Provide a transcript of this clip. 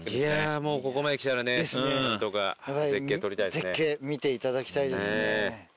もうここまで来たらねえですねやはり絶景見ていただきたいですねえ